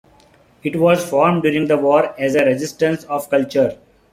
It was formed during the war as a "resistance of culture".